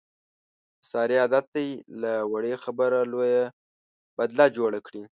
د سارې عادت دی، له وړې خبرې لویه بدله جوړه کړي.